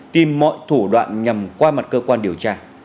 tìm mọi thủ đoạn nhằm qua mặt cơ quan điều tra